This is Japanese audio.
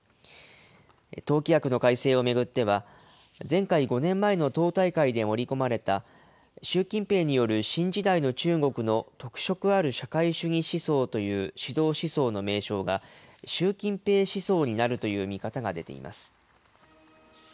党規約の改正を巡っては、前回・５年前の党大会で盛り込まれた、習近平による新時代の中国の特色ある社会主義思想という指導思想の名称が、習近平思想になるという見方が出ています。